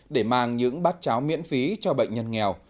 để mang những bát cháo miễn phí cho bệnh nhân nghèo